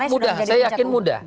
mudah saya yakin mudah